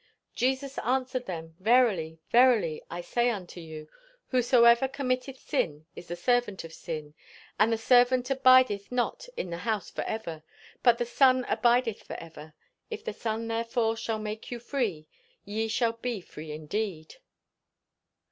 "'Jesus answered them, Verily, verily, I say unto you, Whosoever committeth sin is the servant of sin. And the servant abideth not in the house forever: but the Son abideth ever. If the Son therefore shall make you free, ye shall be free indeed.'"